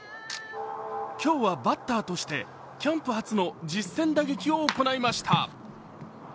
今日はバッターとして、キャンプ初の実戦打撃を行いました。